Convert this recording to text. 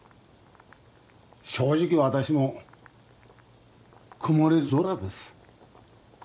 正直私も曇り空です